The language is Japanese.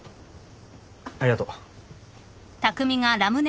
ありがとう。